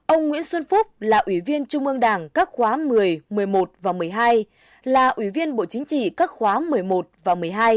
ông nguyễn xuân phúc là ủy viên trung ương đảng các khóa một mươi một mươi một và một mươi hai là ủy viên bộ chính trị các khóa một mươi một và một mươi hai